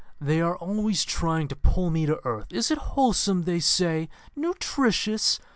They are always trying to pull me to earth. 'Is it wholesome?' they say; 'nutritious?'